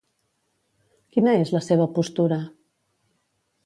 Quina és la seva postura?